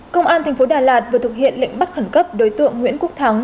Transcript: công an tp đà lạt vừa thực hiện lệnh bắt khẩn cấp đối tượng nguyễn quốc thắng